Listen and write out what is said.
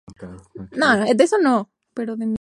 Guantes, calcetines y zapatillas blancas.